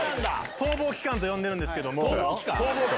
逃亡期間と呼んでるんですけ逃亡期間？